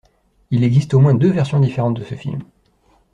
Il existe au moins deux versions différentes de ce film.